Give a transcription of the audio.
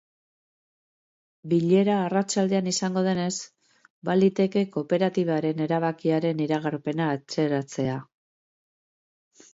Bilera arratsaldean izango denez, baliteke kooperatibaren erabakiaren iragarpena atzeratzea.